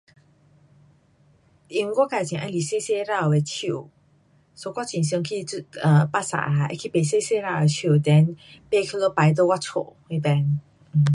因为我自会喜欢小小棵的树，so 我很常去这，巴萨哈，会去买小小棵的树，then 买回家摆在我家那边。um